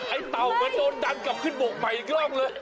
ไอ้เต่ามันโดนดังกลับขึ้นบกใหม่อีกรอบเลย